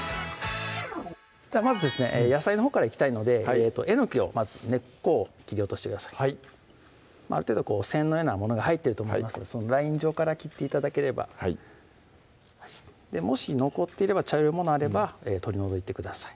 まずですね野菜のほうからいきたいのでえのきをまず根っこを切り落としてくださいある程度線のようなものが入ってると思いますのでそのライン上から切って頂ければはいもし残ってれば茶色いものあれば取り除いてください